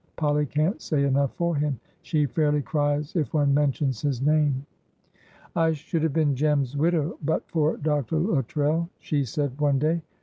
Polly can't say enough for him. She fairly cries if one mentions his name. "'I should have been Jem's widow but for Dr. Luttrell,' she said one day.